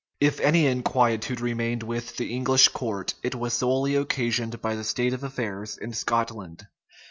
If any inquietude remained with the English court, it was solely occasioned by the state of affairs in Scotland.